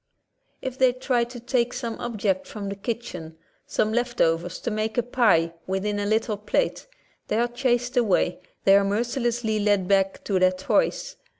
'' If they try to take some object from the kitchen, some leftovers to make a pie within a little plate, they are chased away, they are merci lessly led back to their toys.